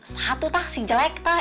satu teh si jelek teh